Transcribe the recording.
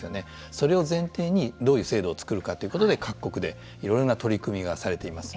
それを前提にどういう制度を作るかということで各国でいろいろな取り組みがされています。